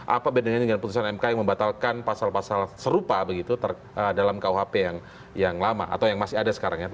apa bedanya dengan putusan mk yang membatalkan pasal pasal serupa begitu dalam kuhp yang lama atau yang masih ada sekarang ya